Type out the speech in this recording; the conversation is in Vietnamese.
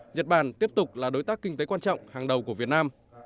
nhật bản tiếp tục là đối tác kinh tế quan trọng hàng đầu của việt nam